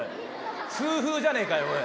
痛風じゃねえかよおい。